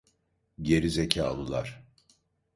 Geri zekalılar!